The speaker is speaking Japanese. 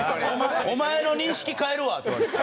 「お前の認識変えるわ」って言われて。